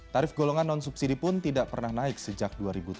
tarif golongan non subsidi pun tidak pernah naik sejak dua ribu tujuh belas